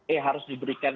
eh harus diberikan